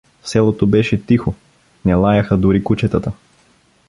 В селото беше тихо, не лаяха дори кучетата.